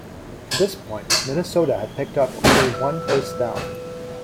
To this point, Minnesota had picked up only one first down.